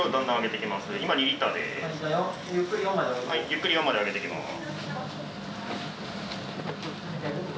ゆっくり４まで上げていきます。